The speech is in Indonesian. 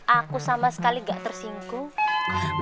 aku sama sekali gak tersinggung